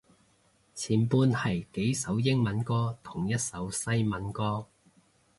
前半係幾首英文歌同一首西文歌